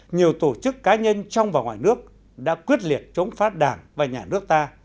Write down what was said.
nhiều tổ chức cá nhân trong và ngoài nước đã quyết liệt chống phá đảng và nhà nước ta